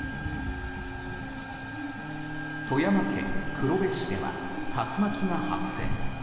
富山県黒部市では竜巻が発生。